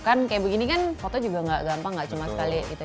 kan kayak begini kan foto juga gak gampang nggak cuma sekali gitu